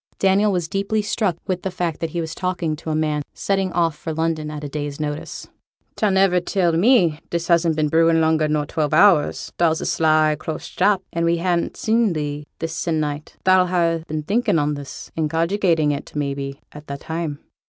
Daniel was deeply struck with the fact that he was talking to a man setting off for London at a day's notice. 'Thou'll niver tell me this hasn't been brewin' longer nor twelve hours; thou's a sly close chap, and we hannot seen thee this se'nnight; thou'll ha' been thinkin' on this, and cogitating it, may be, a' that time.'